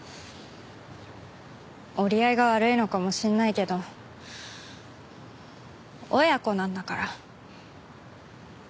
折り合いが悪いのかもしれないけど親子なんだからうまくやんなよ。